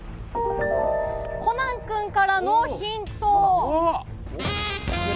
コナン君からのヒント。